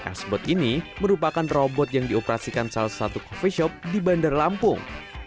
sbot ini merupakan robot yang dioperasikan salah satu coffee shop di bandar lampung